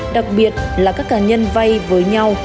đặc biệt là các cá nhân vay với nhau